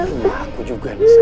di rumah aku juga nih sanya